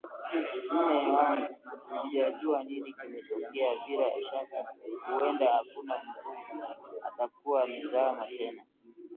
Mme wangu sijajua nini kimetokea bila shaka huenda kuna mvuvi atakuwa amezama tena